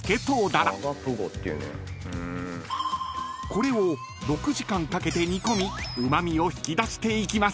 ［これを６時間かけて煮込みうま味を引き出していきます］